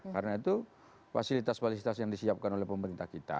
karena itu fasilitas fasilitas yang disiapkan oleh pemerintah kita